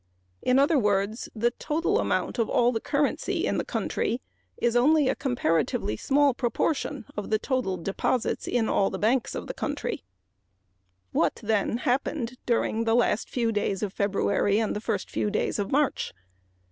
In other words, the total amount of all the currency in the country is only a small fraction of the total deposits in all of the banks. What, then, happened during the last few days of February and the first few days of March?